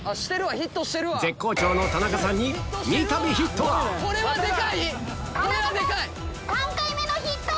絶好調の田中さんに三度ヒットが３回目のヒット！